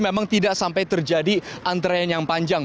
memang tidak sampai terjadi antrean yang panjang